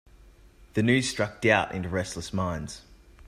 The news struck doubt into restless minds.